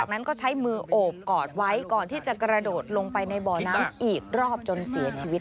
นั้นก็ใช้มือโอบกอดไว้ก่อนที่จะกระโดดลงไปในบ่อน้ำอีกรอบจนเสียชีวิต